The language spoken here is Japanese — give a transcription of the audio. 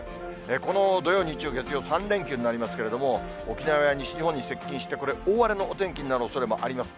この土曜、日曜、月曜、３連休になりますけれども、沖縄や西日本に接近して、これ、大荒れのお天気になるおそれもあります。